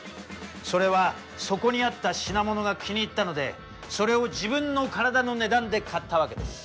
それはそこにあった品物が気に入ったのでそれを自分の体の値段で買ったわけです。